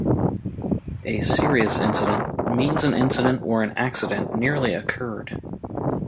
A "Serious Incident" means an incident where an accident nearly occurred.